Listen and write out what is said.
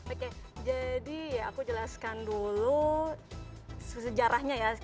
oke jadi ya aku jelaskan dulu sejarahnya ya